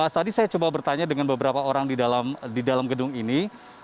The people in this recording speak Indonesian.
tadi saya coba bertanya dengan beberapa orang di dalam gedung ini